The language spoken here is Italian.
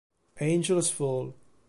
Angels Fall